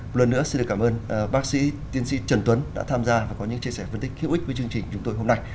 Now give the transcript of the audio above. một lần nữa xin được cảm ơn bác sĩ tiến sĩ trần tuấn đã tham gia và có những chia sẻ phân tích hữu ích với chương trình chúng tôi hôm nay